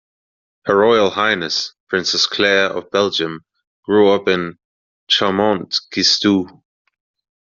Her Royal Highness Princess Claire of Belgium grew up in Chaumont-Gistoux.